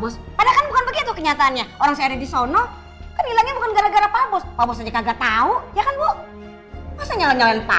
bos vada can preliminary kaiser disono almost saja udah tahu saya menyanyi